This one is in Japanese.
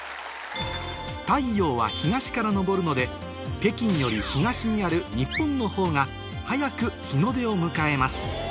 太陽は東から昇るので北京より東にある日本のほうが早く日の出を迎えます